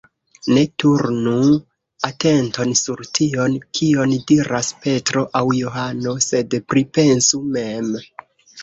Ne turnu atenton sur tion, kion diras Petro aŭ Johano, sed pripensu mem.